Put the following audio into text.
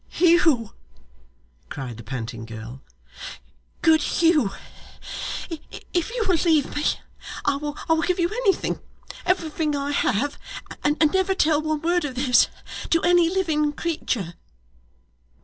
'Hugh,' cried the panting girl, 'good Hugh; if you will leave me I will give you anything everything I have and never tell one word of this to any living creature.